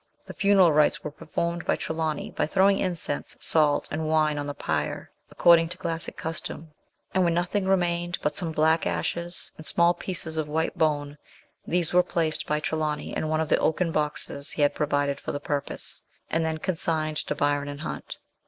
The funeral rites were per formed by Trelawny by throwing incense, salt, and wine on the pyre, according to classic custom ; and when nothing remained but some black ashes and small pieces of white bone, these were placed by Trelawny in one of the oaken boxes he had pro vided for the purpose, and then consigned to Byron and Hunt.